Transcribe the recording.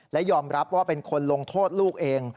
และยอมรับว่าเป็นคนลงโทษลูกเอง